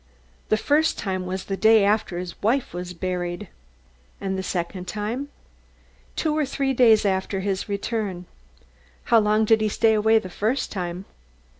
"The first time was the day after his wife was buried." "And the second time?" "Two or three days after his return." "How long did he stay away the first time?"